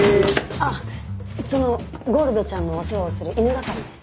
あっそのゴールドちゃんのお世話をする犬係です。